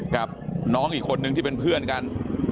กับน้องอีกคนนึงที่เป็นเพื่อนกัน